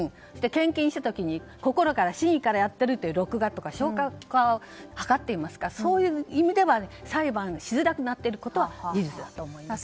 献金した時に心から真意からやっているという録画とか証拠を図っていますからそういう意味では裁判しづらくなっていることは事実だと思います。